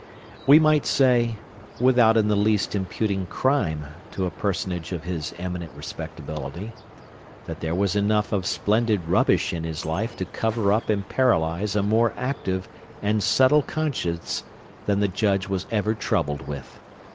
We might say (without in the least imputing crime to a personage of his eminent respectability) that there was enough of splendid rubbish in his life to cover up and paralyze a more active and subtile conscience than the Judge was ever troubled with.